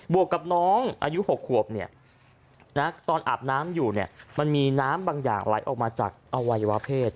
วกกับน้องอายุ๖ขวบตอนอาบน้ำอยู่มันมีน้ำบางอย่างไหลออกมาจากอวัยวะเพศ